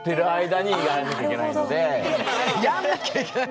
やんなきゃいけない！